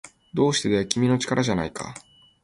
どうしてだよ、君の力じゃないか